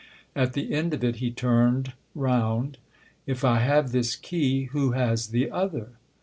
At the end of it he turned round. " If I have this key, who has the other